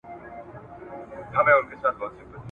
د بېوزلانو په خوله سوې خاوري `